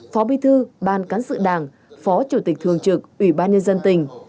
phó bi thư ban cán sự đảng phó chủ tịch thường trực ủy ban nhân dân tỉnh